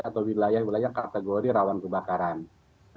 atau wilayah wilayah kategori rawan kebakaran